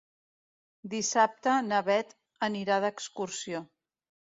Dissabte na Beth anirà d'excursió.